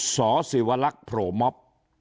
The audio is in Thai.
สอศิวลักษณ์โพลมอบ